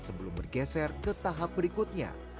sebelum bergeser ke tahap berikutnya